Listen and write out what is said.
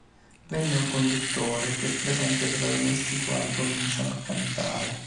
Vede un conduttore che presenta i protagonisti i quali cominciano a cantare.